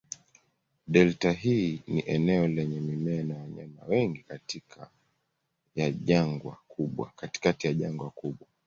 Delta hii ni eneo lenye mimea na wanyama wengi katikati ya jangwa kubwa.